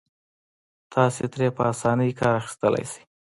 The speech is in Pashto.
تاسې ترې په اسانۍ کار اخيستلای شئ.